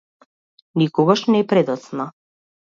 Никогаш не е предоцна.